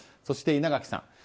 そして稲垣さん。